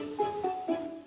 nanti aku ambil